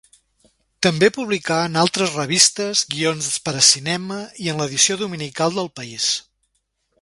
També publicà en altres revistes, guions per a cinema i en l'edició dominical d'El País.